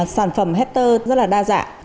sản phẩm hector rất là đa dạng